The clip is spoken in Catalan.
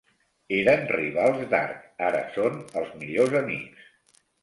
Eren rivals d'arc, ara són els millors amics.